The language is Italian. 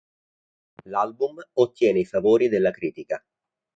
L'album ottiene i favori della critica.